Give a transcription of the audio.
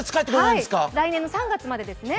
来年の３月までですね。